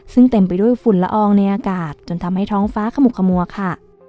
ซึ่งเต็มไปด้วยฝุ่นละอองในอากาศจนทำให้ท้องฟ้าขมุกขมัวค่ะ